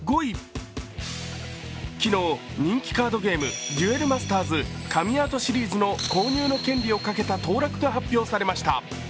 昨日人気カードゲーム「デュエル・マスターズ」、神アートシリーズの購入の権利をかけた当落が発表されました。